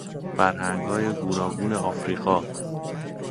فرهنگهای گوناگون افریقا